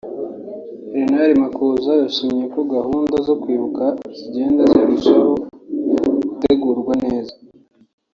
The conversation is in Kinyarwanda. Bernard Makuza yashimye ko gahunda zo Kwibuka zigenda zirushaho gutegurwa neza